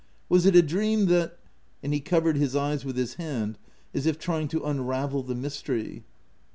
" Was it a dream that " and he covered his eyes with his hand, as if trying to unravel the mystery.